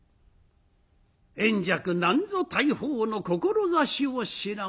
燕雀なんぞ大鵬の志を知らん。